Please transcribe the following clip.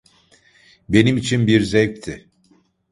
Benim için bir zevkti.